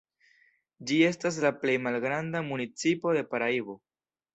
Ĝi estas la plej malgranda municipo de Paraibo.